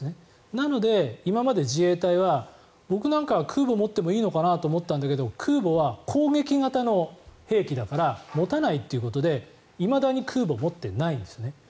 なので、今まで自衛隊は僕なんかは空母を持ってもいいのかなと思ったんだけど空母は攻撃型の兵器だから持たないっていうことでいまだに空母を持っていないんですね。